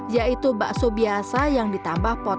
yaitu bakso biasa yang ditambah potong